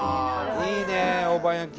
いいね大判焼き。